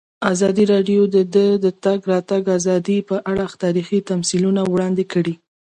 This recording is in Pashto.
ازادي راډیو د د تګ راتګ ازادي په اړه تاریخي تمثیلونه وړاندې کړي.